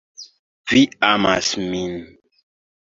Vi amas min